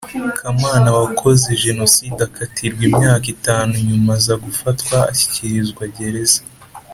Kamana wakoze Jenoside akatirwa imyaka itanu yuma aza gufatwa ashyikirizwa Gereza